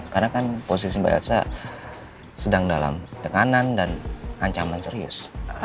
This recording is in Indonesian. karena kan posisi mbak yelza sedang dalam tekanan dan ancaman serius